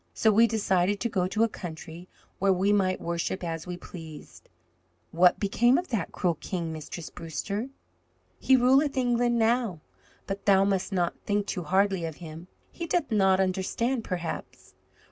So we decided to go to a country where we might worship as we pleased." "What became of that cruel king, Mistress Brewster?" "He ruleth England now. But thou must not think too hardly of him. He doth not understand, perhaps.